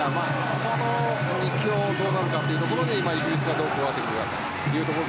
この２強がどうなるかというところにイギリスがどうかというところ。